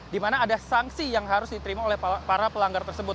di mana ada sanksi yang harus diterima oleh para pelanggar tersebut